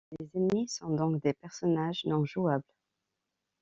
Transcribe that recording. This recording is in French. Les ennemis sont donc des personnages non jouables.